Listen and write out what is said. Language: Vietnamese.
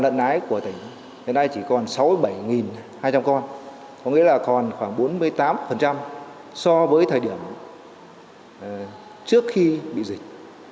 hiện nay chỉ còn sáu bảy hai trăm linh con có nghĩa là còn khoảng bốn mươi tám so với thời điểm trước khi bị dịch